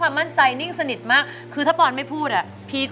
แกบอกยังความตื่นเต้นไม่แรง